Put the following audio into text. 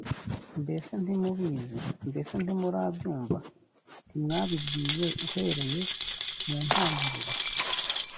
mbese ntimubizi mbese ntimubyumva ntimwabibwiwe uhereye mu ntangiriro